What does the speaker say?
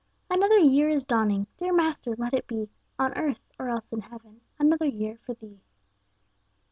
Another year is dawning! Dear Master, let it be On earth, or else in heaven, Another year for Thee!